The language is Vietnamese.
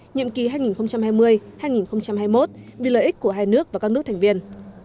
nhiệm kỳ hai nghìn hai mươi hai nghìn hai mươi một vì lợi ích của hai nước và các nước thành viên